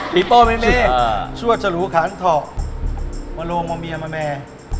ปีโป้เมม่อเฉลี่ยชั่วชะลูคานเทาะมาโรงมะเมียมะแม